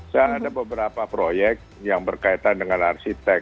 saya ada beberapa proyek yang berkaitan dengan arsitek